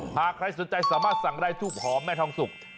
หากใครสนใจสามารถสั่งได้ทูบหอมแม่ทองสุก